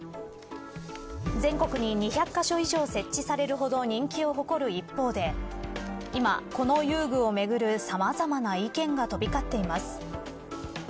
全国に２００カ所以上設置されるほど人気を誇る一方で今、この遊具をめぐるさまざまな意見が飛び交っています。